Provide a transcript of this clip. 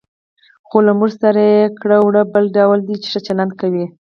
خو له موږ سره یې کړه وړه بل ډول دي، چې ښه چلند کوي.